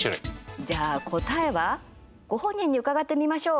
じゃあ、答えはご本人に伺ってみましょう。